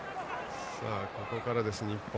ここからです日本。